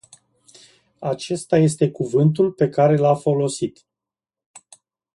Acesta este cuvântul pe care l-a folosit.